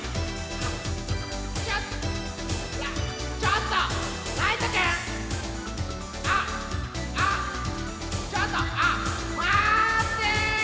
あっちょちょっとライトくん！あっあっちょっとあっまって！